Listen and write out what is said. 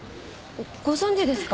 ご存じですか？